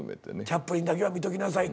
チャプリンだけは見ときなさいって。